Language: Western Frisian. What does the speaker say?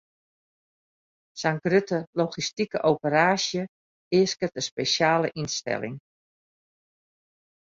Sa'n grutte logistike operaasje easket in spesjale ynstelling.